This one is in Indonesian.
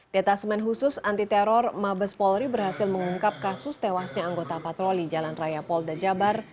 detasemen khusus anti teror mabes polri berhasil mengungkap kasus tewasnya anggota patroli jalan raya polda jabar